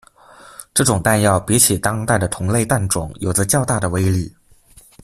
这种弹药比起当代的同类弹种有着较大的威力。